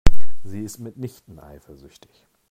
Sie ist mitnichten eifersüchtig.